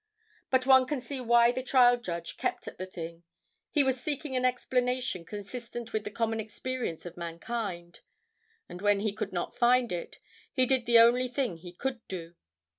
But one can see why the trial judge kept at the thing; he was seeking an explanation consistent with the common experience of mankind. And when he could not find it, he did the only thing he could do.